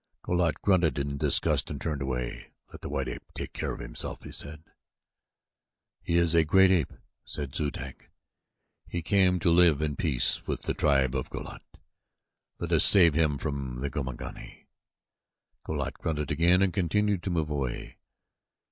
Go lat grunted in disgust and turned away. "Let the white ape take care of himself," he said. "He is a great ape," said Zu tag. "He came to live in peace with the tribe of Go lat. Let us save him from the Gomangani." Go lat grunted again and continued to move away.